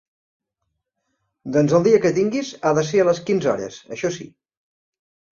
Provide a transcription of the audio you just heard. Doncs el dia que tinguis, ha de ser a les quinze hores, això sí.